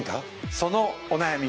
そのお悩み